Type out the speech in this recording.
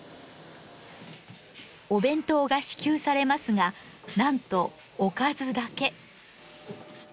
お弁当が支給されますがなんとおかずだけ。